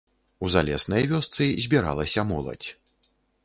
У залеснай вёсцы збіралася моладзь.